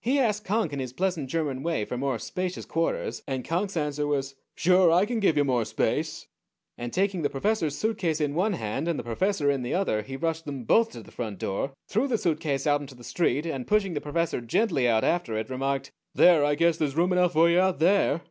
He asked Conk in his pleasant German way for more spacious quarters, and Conk's answer was, 'Sure I can give ya more space.' And taking the professor's suitcase in one hand, and the professor in the other, he rushed them both to the front door, threw the suitcase out into the street, and, pushing the professor gently out after it, remarked, 'There I guess there's room, enough for ya out there.'"